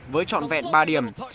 với trọn vẹn ba điểm